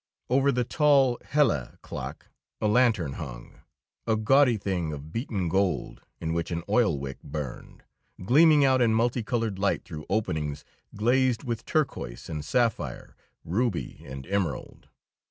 Over the tall Hele clock a lantern hung; a gaudy thing of beaten gold, in which an oil wick burned, gleaming out in multicolored light through openings glazed with turquoise and sapphire, ruby, and emerald.